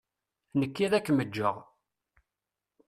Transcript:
Nekki ad akem-ǧǧeɣ.